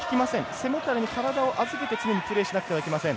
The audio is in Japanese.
背もたれに常に体を預けて常にプレーしないといけません。